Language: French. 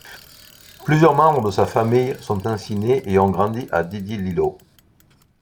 Plusieurs membres de sa famille sont ainsi nés et ont grandi à Didi Lilo.